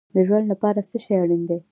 د ژوند لپاره څه شی اړین دی؟